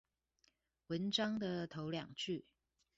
文章的頭兩句